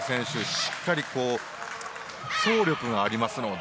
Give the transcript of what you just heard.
しっかり走力がありますので